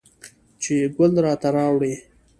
چې ګل راته راوړي